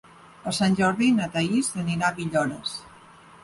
Per Sant Jordi na Thaís anirà a Villores.